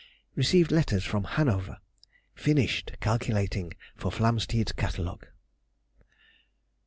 _—Received letters from Hanover. Finished calculating for Flamsteed's Catalogue.